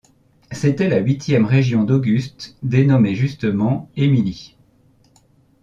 C’était la huitième région d'Auguste, dénommée justement Émilie.